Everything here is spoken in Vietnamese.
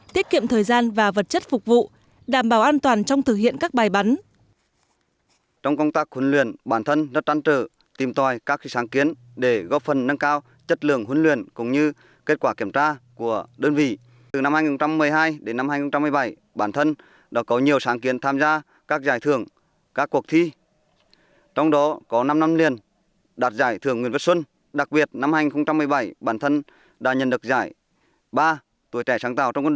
tiết kiệm thời gian và vật chất phục vụ đảm bảo an toàn trong thực hiện các bài bắn